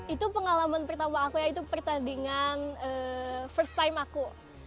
itu pengalaman pertama aku ya itu pertandingan first time aku